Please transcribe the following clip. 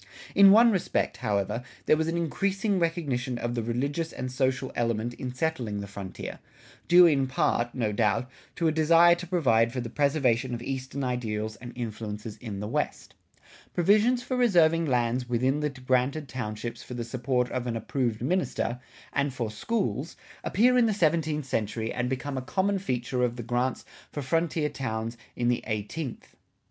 In one respect, however, there was an increasing recognition of the religious and social element in settling the frontier, due in part, no doubt, to a desire to provide for the preservation of eastern ideals and influences in the West. Provisions for reserving lands within the granted townships for the support of an approved minister, and for schools, appear in the seventeenth century and become a common feature of the grants for frontier towns in the eighteenth.